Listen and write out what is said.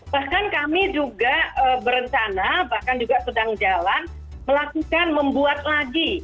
bahkan kami juga berencana bahkan juga sedang jalan melakukan membuat lagi